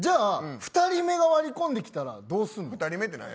じゃあ２人目が割り込んできたらどうするの。